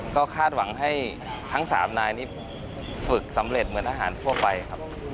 ก็คาดหวังให้ทั้ง๓นายนี้ฝึกสำเร็จเหมือนทหารทั่วไปครับ